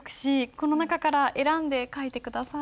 この中から選んで書いて下さい。